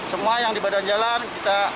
semua yang di badan jalan kita